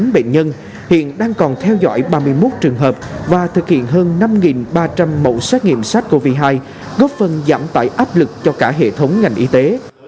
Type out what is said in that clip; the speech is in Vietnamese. chín mươi bệnh nhân hiện đang còn theo dõi ba mươi một trường hợp và thực hiện hơn năm ba trăm linh mẫu xét nghiệm sars cov hai góp phần giảm tải áp lực cho cả hệ thống ngành y tế